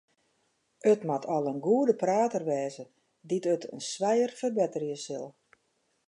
It moat al in goede prater wêze dy't it in swijer ferbetterje sil.